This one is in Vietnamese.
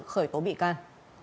khởi tố bị can